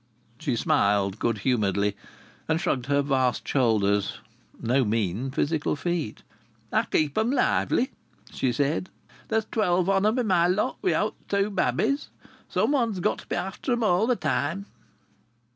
She smiled good humouredly and shrugged her vast shoulders no mean physical feat. "I keep 'em lively," she said. "There's twelve of 'em in my lot, without th' two babbies. Someone's got to be after 'em all the time."